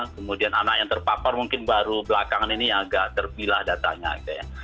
kemudian anak yang terpapar mungkin baru belakangan ini agak terpilah datanya gitu ya